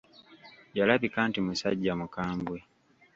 Yalabika nti musajja mukambwe.